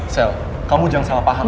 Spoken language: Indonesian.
sel kamu jangan salah paham